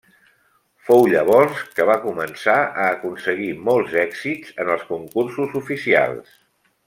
Fou llavors que va començar a aconseguir molts èxits en els concursos oficials.